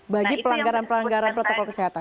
bagi pelanggaran pelanggaran protokol kesehatan